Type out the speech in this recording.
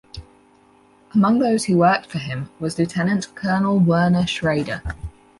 Among those who worked for him was Lieutenant Colonel Werner Schrader.